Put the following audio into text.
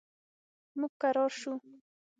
موږ کرار شو.